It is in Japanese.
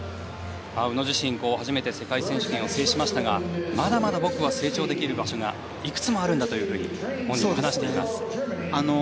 宇野自身初めて世界選手権を制しましたがまだまだ僕は成長できる場所がいくつもあるんだというふうに本人、話しています。